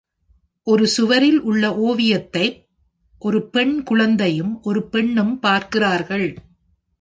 ஒரு சுவரில் உள்ள ஓவியத்தைப் ஒரு பெண் குழந்தையும் ஒரு பெண்ணும் பார்க்கிறார்கள்.